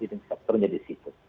leading sectornya disitu